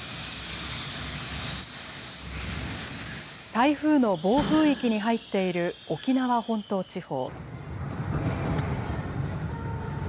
台風の暴風域に入っている沖縄本島地方。